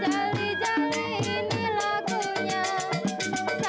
jali jali ini lagunya sayang